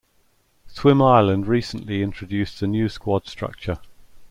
Swim Ireland recently introduced a new squad structure.